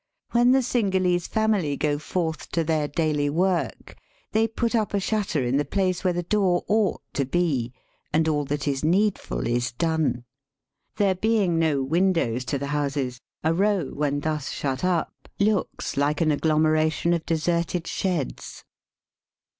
When the Cingalese family go forth to their daily work they put up a shutter in the place where the door ought to be, and all that is needful is done. There being no windows to the houses, a row, when thus shut up, looks like an agglomeration of deserted sheds.